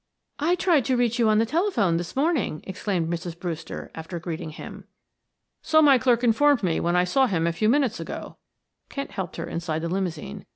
"I tried to reach you on the telephone this morning," exclaimed Mrs. Brewster, after greeting him. "So my clerk informed me when I saw him a few minutes ago." Kent helped her inside the limousine.